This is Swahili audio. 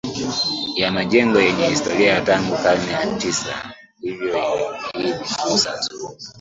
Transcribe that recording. ya majengo yanye historia ya tangu karne ya Tisa hivyo hii ni fursa nzuri